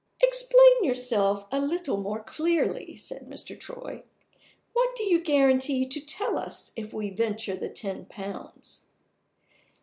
"Explain yourself a little more clearly," said Mr. Troy. "What do you guarantee to tell us if we venture the ten pounds?"